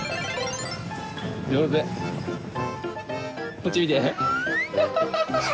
・こっち見て。